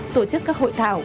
tổ chức các hội thảo